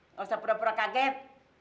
nggak usah pura pura kaget